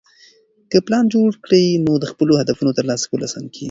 که پلان جوړ کړې، نو د خپلو هدفونو ترلاسه کول اسانه کېږي.